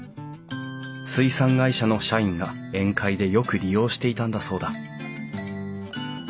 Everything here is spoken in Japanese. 水産会社の社員が宴会でよく利用していたんだそうだ。